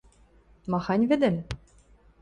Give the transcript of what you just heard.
– Махань вӹдӹм?!